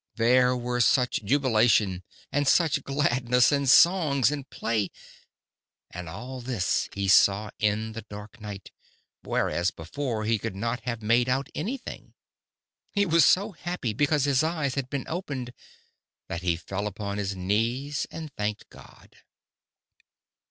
"There were such jubilation and such gladness and songs and play! And all this he saw in the dark night, whereas before he could not have made out anything. He was so happy because his eyes had been opened that he fell upon his knees and thanked God."